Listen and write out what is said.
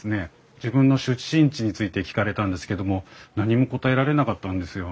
自分の出身地について聞かれたんですけども何も答えられなかったんですよ。